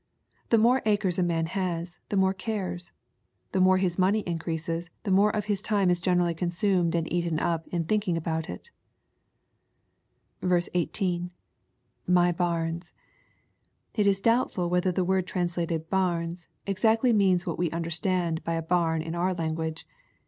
The more acres a man has, the more cares. The more his money increases, the more of his time is generally consumed and eaten up in thinking about itb 18.— [i/y hams.] It is doubtful whether the word translated " bams" exactly means what we understand by a bam in our language.